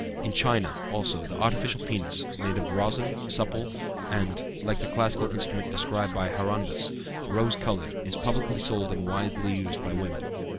In China, also, the artificial penis made of rosin, supple and (like the classical instrument described by Herondas) rose colored is publicly sold and widely used by women.